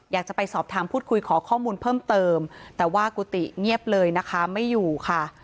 อยากจะไปสอบถามพูดคุยขอข้อมูลเพิ่มเติมแต่ว่ากุฏิเงียบเลยนะคะไม่อยู่ค่ะ